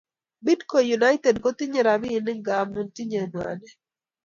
Bidco united kotindo rapinik ngamun tinye mwanik